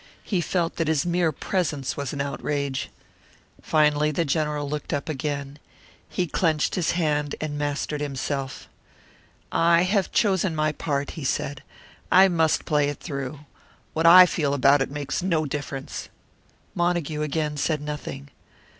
He felt that his mere presence was an outrage. Finally the General looked up again. He clenched his hand, and mastered himself. "I have chosen my part," he said. "I must play it through. What I feel about it makes no difference." Montague again said nothing.